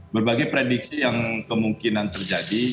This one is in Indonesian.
berbagai prediksi yang kemungkinan terjadi